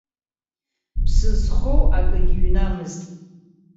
Ԥсы зхоу акагьы ҩнамызт.